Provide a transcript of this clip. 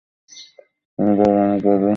তোমার বাবা অনেক বড় একটা ক্ষত সৃষ্টি করে গেছেন।